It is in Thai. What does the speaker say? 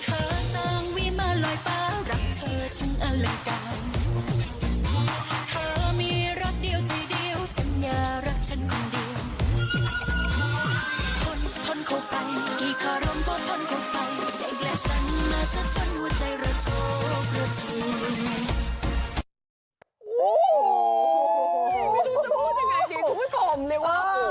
โอ้โหไม่รู้จะพูดยังไงจริงคุณผู้ชมเลยว่าโอ้โห